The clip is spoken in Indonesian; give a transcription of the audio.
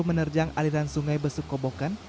menerjang aliran sungai besukobokan